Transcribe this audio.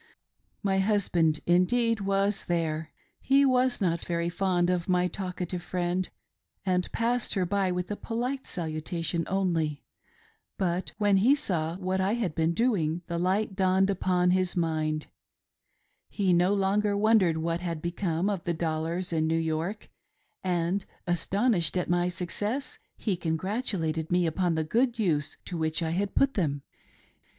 My husband, indeed, was .there. He was not very fond of my talkative friend, and ipassed her by with a polite salutation only ; but when he saw what I had been doing the light dawned upon his mind — he no longer wondered what had become of the dollars in New York, and — astonished at my success'— he congratulated me upon the good use to which I had put them.